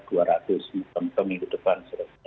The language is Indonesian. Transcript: mungkin ke depan dua ratus